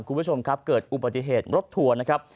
คุณผู้ชมครับเกิดอุบัติเหตุรถทัวร์นะครับ